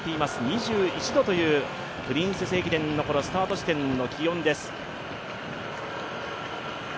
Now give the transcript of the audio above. ２１度というプリンセス駅伝のスタート地点の気温です。